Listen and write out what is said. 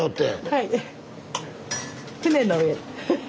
はい。